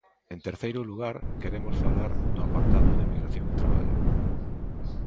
En terceiro lugar, queremos falar do apartado de emigración e traballo.